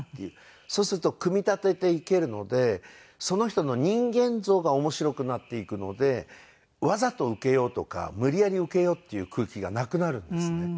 そうすると組み立てていけるのでその人の人間像が面白くなっていくのでわざとウケようとか無理やりウケようっていう空気がなくなるんですね。